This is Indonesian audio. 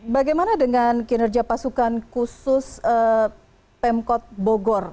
bagaimana dengan kinerja pasukan khusus pemkot bogor